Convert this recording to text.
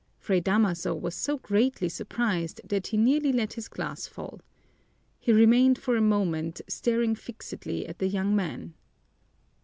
Fray Damaso was so greatly surprised that he nearly let his glass fall. He remained for a moment staring fixedly at the young man.